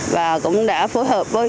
và cũng đã phối hợp với